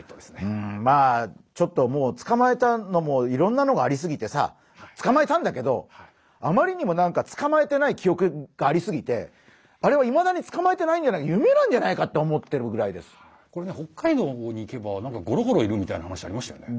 うんまあちょっとつかまえたのもいろんなのがありすぎてさつかまえたんだけどあまりにもつかまえてない記憶がありすぎてあれはいまだにつかまえてないんじゃないかこれが北海道の方に行けばゴロゴロいるみたいな話ありましたよね。